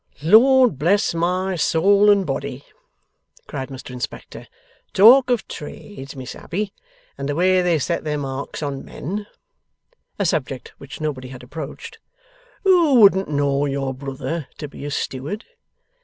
'Lord bless my soul and body!' cried Mr Inspector. 'Talk of trades, Miss Abbey, and the way they set their marks on men' (a subject which nobody had approached); 'who wouldn't know your brother to be a Steward!